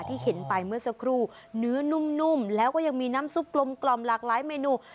ที่เห็นไปเมื่อสักครู่เนื้อนุ่มแล้วก็ยังมีน้ำซุปกลมหลากหลายเมนู